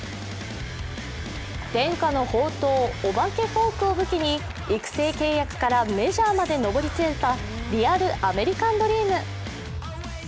伝家の宝刀、お化けフォークを武器に育成契約からメジャーまで上り詰めたリアル・アメリカンドリーム。